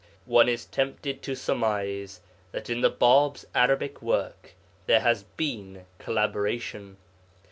One is tempted to surmise that in the Bāb's Arabic work there has been collaboration.